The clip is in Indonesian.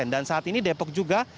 dan saat ini depok juga